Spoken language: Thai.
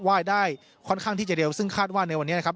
ได้ค่อนข้างที่จะเร็วซึ่งคาดว่าในวันนี้นะครับ